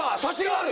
ある？